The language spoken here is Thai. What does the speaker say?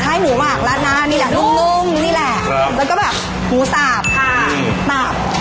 หมูหมากราดหน้านี่แหละนุ่มนี่แหละแล้วก็แบบหมูสาบค่ะตับ